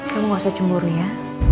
kamu gak usah cemburu ya